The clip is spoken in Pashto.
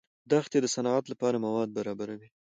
دښتې د صنعت لپاره مواد برابروي.